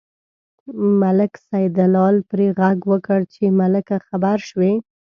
ملک سیدلال پرې غږ وکړ چې ملکه خبر شوې.